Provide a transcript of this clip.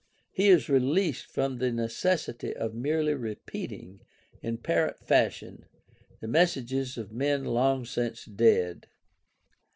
He is released from the necessity of merely repeating, in parrot fashion, the messages of men long since dead.